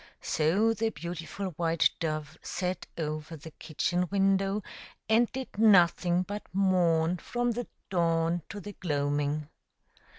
So the beautiful white dove sat over the kitchen window, and did nothing but mourn from the dawn to the gloaming.